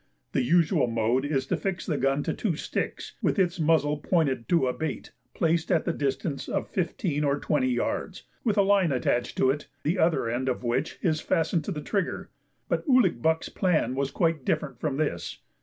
The usual mode is to fix the gun to two sticks with its muzzle pointed to a bait placed at the distance of fifteen or twenty yards, with a line attached to it, the other end of which is fastened to the trigger; but Ouligbuck's plan was quite different from this.